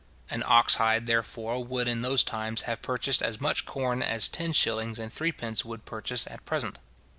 An ox hide, therefore, would in those times have purchased as much corn as ten shillings and threepence would purchase at present.